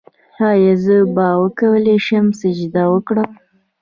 ایا زه به وکولی شم سجده وکړم؟